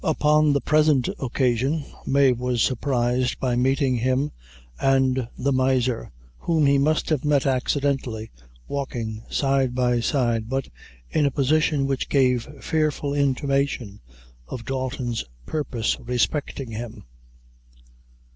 Upon the present occasion, Mave was surprised by meeting him and the miser, whom he must have met accidentally, walking side by side, but in a position which gave fearful intimation of Dalton's purpose respecting him.